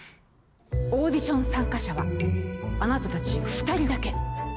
オーディション参加者はあなたたち２人だけ。